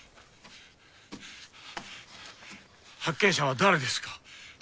発見者は誰ですか？